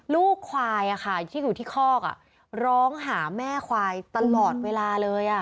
ลูกควายอ่ะค่ะที่อยู่ที่คอกอ่ะร้องหาแม่ควายตลอดเวลาเลยอ่ะ